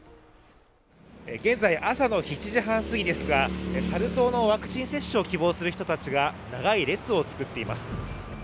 現在朝の７時半すぎですがサル痘のワクチン接種を希望する人たちが長い列を作っています。